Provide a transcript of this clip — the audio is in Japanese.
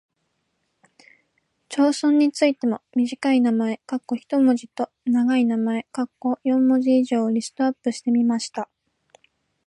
町村についても短い名前（一文字）と長い名前（四文字以上）をリストアップしてみました。